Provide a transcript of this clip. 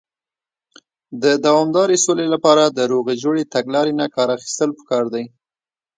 د دوامدارې سولې لپاره، د روغې جوړې تګلارې نۀ کار اخيستل پکار دی.